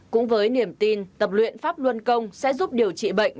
cũng với niềm tin tập luyện pháp luân công sẽ giúp điều trị bệnh